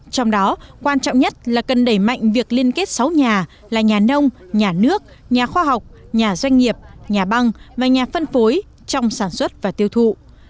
trong đó quan trọng nhất là cần đẩy mạnh việc liên kết sáu nhà là nhà nông nhà nước nhà khoa học nhà doanh nghiệp nhà băng và nhà phân phối trong sản xuất và tiêu thụ